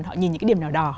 họ nhìn những cái điểm nào đỏ